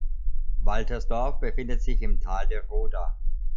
Waltersdorf befindet sich im Tal der Roda.